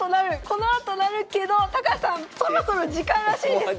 このあとなるけど高橋さんそろそろ時間らしいです！